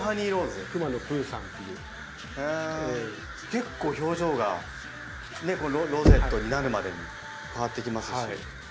結構表情がロゼットになるまでに変わってきますし。